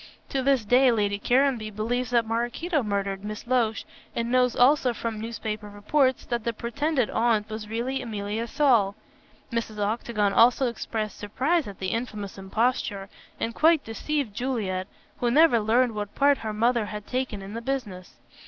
To this day Lady Caranby believes that Maraquito murdered Miss Loach, and knows also from newspaper reports that the pretended aunt was really Emilia Saul. Mrs. Octagon also expressed surprise at the infamous imposture, and quite deceived Juliet, who never learned what part her mother had taken in the business.